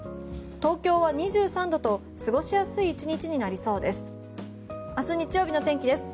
東京は２３度と過ごしやすい１日になりそうです。